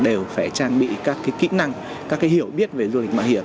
đều phải trang bị các cái kỹ năng các cái hiểu biết về du lịch mạo hiểm